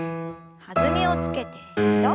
弾みをつけて２度。